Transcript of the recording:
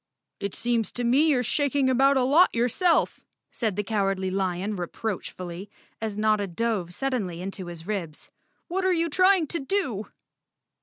"It seems to me you're shaking about a lot your¬ self," said the Cowardly Lion reproachfully, as Notta dove suddenly into his ribs. "What are you trying to do?"